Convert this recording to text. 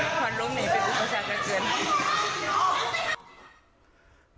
ไปไปไปเอ่ย